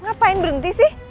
ngapain berhenti sih